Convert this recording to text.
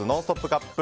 カップ。